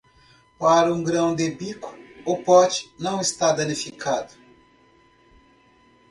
Para um grão de bico, o pote não está danificado.